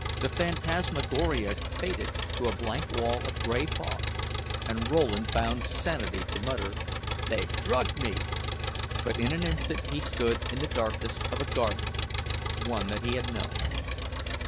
The phantasmagoria faded to a blank wall of gray fog, and Rowland found sanity to mutter, "They've drugged me"; but in an instant he stood in the darkness of a garden one that he had known.